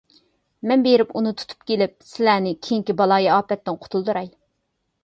مەن بېرىپ ئۇنى تۇتۇپ كېلىپ، سىلەرنى كېيىنكى بالايىئاپەتتىن قۇتۇلدۇراي.